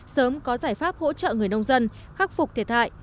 sớm có giải pháp hỗ trợ người nông dân khắc phục thiệt hại